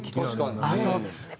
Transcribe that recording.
そうですね！